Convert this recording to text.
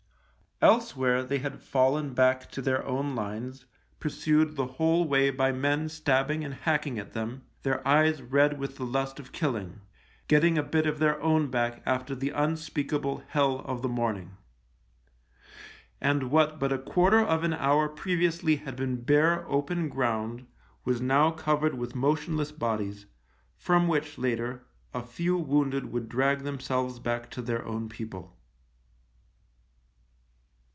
Elsewhere they had fallen back to their own lines, pursued the whole way by men stabbing and hacking at them, their eyes red with the lust of killing, getting a bit of their own back after the unspeakable hell of the morning. And what but a quarter of an hour previously had been bare, open ground was now covered with motionless bodies, from which, later, a few wounded would drag themselves back to their own people.